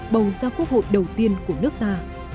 bầu ra quốc hội đầu tiên của nước ta